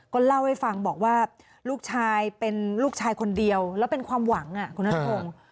ก็เล่าให้ฟังบอกว่าลูกชายเป็นลูกชายคนเดียวแล้วเป็นความหวังคุณนัทพงศ์